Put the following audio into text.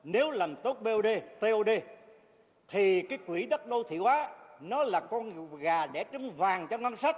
nếu làm tốt tod thì cái quỹ đất đô thị hóa nó là con gà đẻ trứng vàng